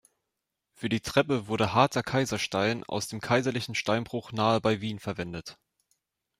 Für die Treppe wurde harter Kaiserstein aus dem kaiserlichen Steinbruch nahe bei Wien verwendet.